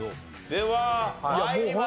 では参りましょう。